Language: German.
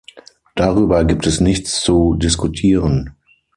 Darüber gibt es nichts zu diskutieren.